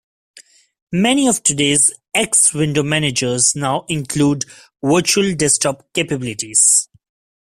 Many of today's X window managers now include virtual desktop capabilities.